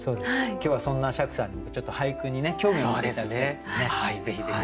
今日はそんな釈さんにちょっと俳句にね興味を持って頂きたいですね。